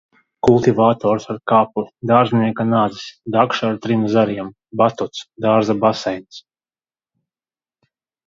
Kultivators ar kapli. Dārznieka nazis. Dakša ar trim zariem. Batuts, dārza baseins.